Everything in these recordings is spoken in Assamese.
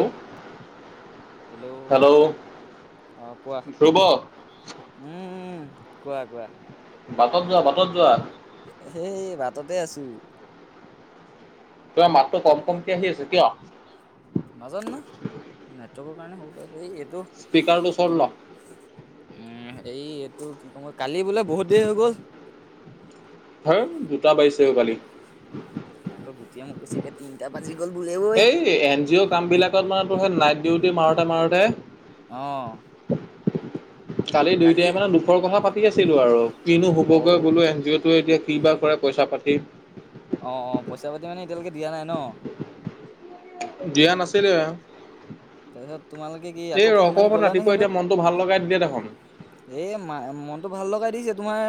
ঔ হেল্ল ধ্ৰুৱ। উম উম কোৱা কোৱা। বাটত যোৱা বাটত যোৱা। সেই বাটতে আছো। তোমাৰ মাতটো কম কমকে আহি আছে কিয়? নাজানো ন নেটৱৰ্কৰ কাৰণে হ'ব পাৰে সেই এইটো স্পীকাৰটো ওচৰত তোমা ল উম এই এইটো কি ক'ম কালি বোলে বহুত দেৰি হৈ গ'ল। সেই দুটা বাজিছে অ কালি। আকৌ গোটিয়া মোক কৈছেগে তিনিটা বাজি গ'ল বোলে ঐ। এই এন জি অ' কামবিলাকত মানে তোৰ সেই নাইট ডিউটি মাৰোতে মাৰোতে অঁ। কালি দুইটাই মানে দুখৰ কথা পাতি আছিলো আৰু কিনো অ হবগৈ বোলো এন জি অ' টো এতিয়া। কিবা কৰে পইচা পাতি। অঁ অঁ পইচা পাতি মানে এতিয়ালৈকে দিয়া নাই ন। দিয়া নাছিলে এয়া। তাপিছত তোমালোকে কি আকৌ ফোন মাৰি কলা নে হিঁহতক। ত ভাল লগাই দিলে দেখন। এ মা মনটো ভাল লগাই দিছে তোমাৰ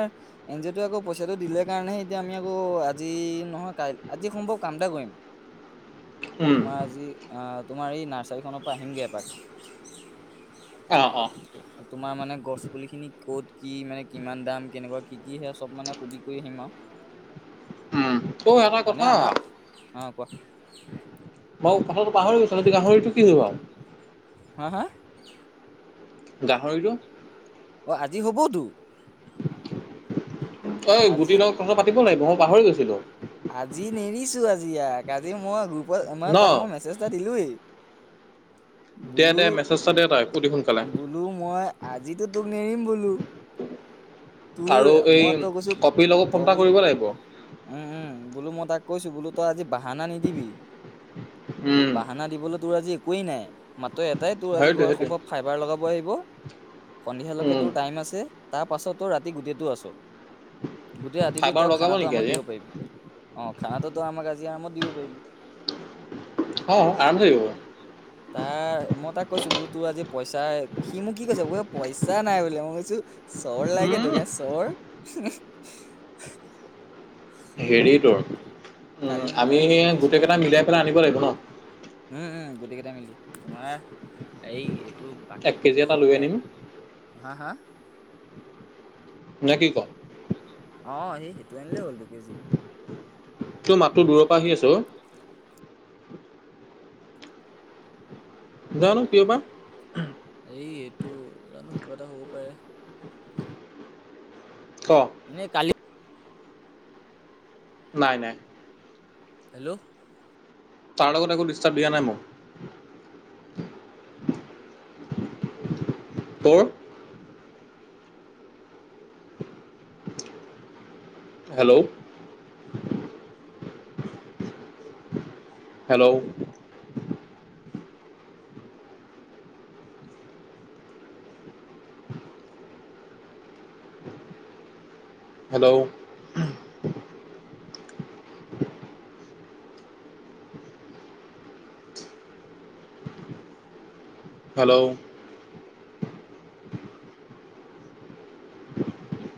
এন জি অ' টো আকৌ পইচাটো দিলে কাৰণেহে এতিয়া আমি আকৌ আজি নহয় কাই আজি সম্ভৱ কাম এটা কৰিম। [unintelligible] তোমাৰ আজি আঁ তোমাৰ এই নাৰ্চাৰীখন পা আহিমগে এপাক। অঁ অঁ। অ তোমাৰ মানে গছ পুলি খিনি ক'ত কি মানে কিমান দাম কেনেকুৱা কি কি সে চব মানে সুধি কয়ি আহিম আও। উম ঔ এটা মানে কথা। আমাৰ অ কোৱা বাও কথাটো পাহই গৈছিলো তহতি গাহৰিটো কি হল বাও। হাঁ হাঁ। গাহৰিতো। অ আজি হবতো। অই আজি গুটিৰ লগত কথা পাতিব লাগিব মই পাহৰি গৈছিলো। আজি নেৰিছো আজি ইয়াক আজি মই গ্ৰুপত ন মানে তাক মই মেছেজ এটা দিলোৱেই, দে বোলো দে মেছেজ এটা দে তই অতি সোনকালে বোলো মই আজিতো তোক নেৰিম বোলো। তোৰ আৰু এই মই তই কৈছো কপিৰ লগত ফোন ত এটা বোলো কৰিব লাগিব উম উম বোলো মই তাক কৈছো বোলো তই আজি বাহানা নিদিবি উম বাহানা দিবলৈ তোৰ আজি একোৱেই নাই। মাত্ৰ এটাই তোৰ আজি সেইটোৱে ঘৰত সেইটোৱে সম্ভৱ ফাইবাৰ লগাব আহিব সন্ধিয়ালৈকে উম তোৰ টাইম আছে। তাৰ পাছত তোৰ ৰাতি গোটেইটো আছ গোটেই ৰাতিটো ফাইবাৰ তই লগাব খানাটো নেকি আমাক আজি দিব পাৰিবি। অঁ খানাটোত আমাক আজি আৰামত দিব পাইবি। অঁ আৰমচে দিব তাৰ মই তাক কৈছো বোলো তো আজি পইচাই সি মোক কি কৈছে ৱে পইচা নাই বোলে মই কৈছো চৰ লাগ গে উম তোকে চৰ সি হেৰি মোক তোৰ উম কালি মই তাৰ আমি সেইটো দেখিছো গোটেই নহয় কেইটা মিলাই পেলাই আনিব লাগিব ন, উম উম গোটেইকেইটাই মিলি তোমাৰ এই এইটো এক বাকী কেজি কিন্তু এটা লৈ মানে আনিম হা হা, নে কি কও অ সেই সেইটো আনিলেই হ'ল দু কেজি, তোৰ মাতটো দূৰৰ পৰা আহি আছে অ জানো কিয় বা এই এইটো জানো কিবা এটা হ'ব পাৰে ক এনেই কালি নাই নাই হেল্ল' তাৰ লগত একো ডিষ্টাৰ্ব দিয়া নাই মোক। তোৰ হেল্ল' হেল্ল' হেল্ল' হেল্ল' [unintelligible]